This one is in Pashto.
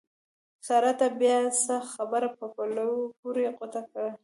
سارا! تا بیا څه خبره په پلو پورې غوټه کړه؟!